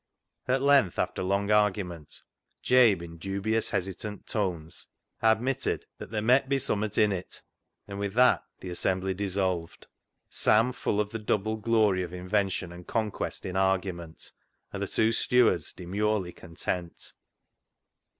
At length, after long argument, Jabe, in dubious, hesitant tones, admitted that " Ther' met be summat in it," and with that the assembly dissolved, Sam full of the double glory of invention and conquest in argument, and the two stewards demurely content.